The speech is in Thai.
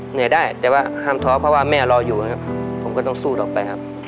เหนื่อยได้แต่ว่าห้ามท้อเพราะว่าแม่รออยู่นะครับผมก็ต้องสู้ต่อไปครับ